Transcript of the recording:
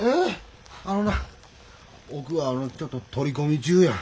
あのな奥はちょっと取り込み中や。